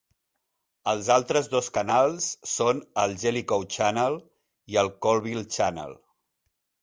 Els altres dos canals són el Jellicoe Channel i el Colville Channel.